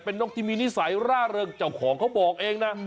นกที่มีนิสัยร่าเริงเจ้าของเขาบอกเองนะ